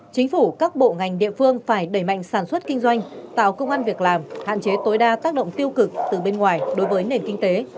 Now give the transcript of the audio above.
chính phủ các bộ ngành địa phương phải đẩy mạnh sản xuất kinh doanh tạo công an việc làm hạn chế tối đa tác động tiêu cực từ bên ngoài đối với nền kinh tế